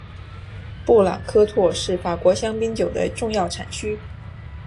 布朗科托是法国香槟酒的重要产区。